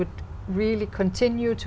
là một khu vực